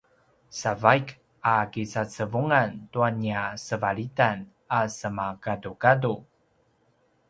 sa vaik a kicacevungan tua nia sevalitan a semagadugadu